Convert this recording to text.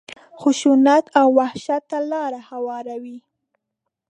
خشونت او وحشت ته لاره هواروي.